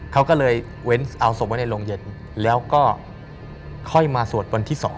เขาก็เลยเว้นเอาศพไว้ในโรงเย็นแล้วก็ค่อยมาสวดวันที่๒